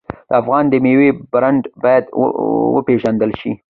د افغاني میوو برنډ باید وپیژندل شي.